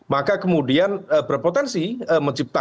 maka kemudian berpotensi menciptakan